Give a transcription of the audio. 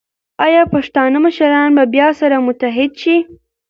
ایا پښتانه مشران به بیا سره متحد شي؟